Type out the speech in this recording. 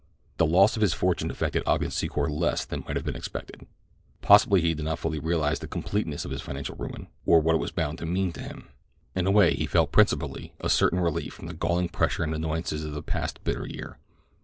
The loss of his fortune affected Ogden Secor less than might have been expected. Possibly he did not fully realize the completeness of his financial ruin, or what it was bound to mean to him. In a way he felt principally a certain relief from the galling pressure and annoyances of the past bitter year.